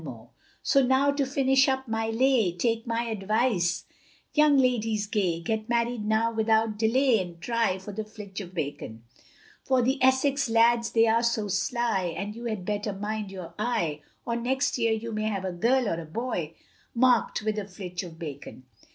So now to finish up my lay, Take my advice, young ladies gay, Get married now without delay, And try for the flitch of bacon; For the Essex lads they are so sly, And you had better mind your eye, Or next year you may have a girl or a boy, Marked with a flitch of bacon!